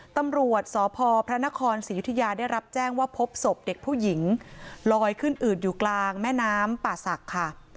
ตำรวจสพพระนครศรียุธยาได้รับแจ้งว่าพบศพเด็กผู้หญิงลอยขึ้นอืดอยู่กลางแม่น้ำป่าศักดิ์ค่ะ